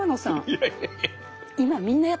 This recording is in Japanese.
いやいやいや。